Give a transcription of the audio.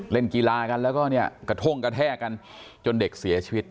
เล่นกีฬากันแล้วก็เนี่ยกระท่งกระแทกกันจนเด็กเสียชีวิต